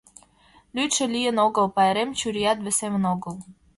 Лӱдшӧ лийын огыл, пайрем чурият весемын огыл.